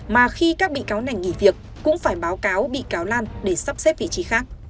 mà khi các bị cáo này nghỉ việc cũng phải báo cáo bị cáo lan để sắp xếp vị trí khác